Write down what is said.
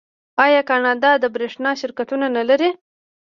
آیا کاناډا د بریښنا شرکتونه نلري؟